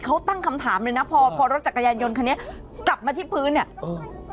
เขาตั้งคำถามเลยนะพอพอรถจักรยานยนต์คันนี้กลับมาที่พื้นเนี่ยเออ